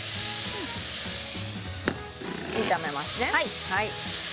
炒めますね。